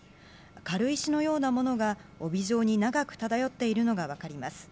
軽石のようなものが帯状に長く漂っているのが分かります。